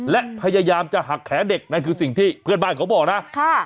และพยายามจะหักแขนเด็กนั่นคือสิ่งที่เพื่อนบ้านเขาบอกนะ